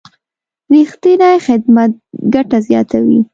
رښتینی خدمت ګټه زیاتوي.